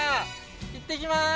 行ってきます